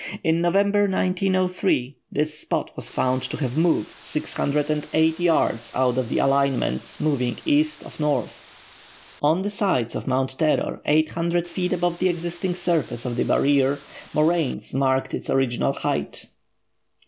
In November 1903, this spot was found to have moved 608 yards out of the alignment, moving east of north. On the sides of Mount Terror, 800 feet above the existing surface of the barrier, moraines marked its original height.